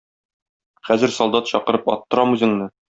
Хәзер солдат чакырып аттырам үзеңне.